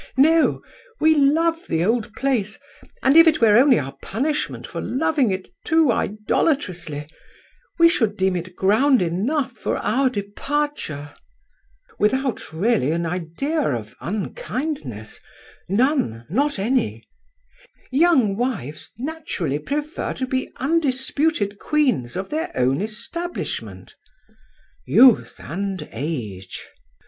" No. We love the old place; and if it were only our punishment for loving it too idolatrously, we should deem it ground enough for our departure." " Without, really, an idea of unkindness; none, not any." " Young wives naturally prefer to be undisputed queens of their own establishment." " Youth and age!"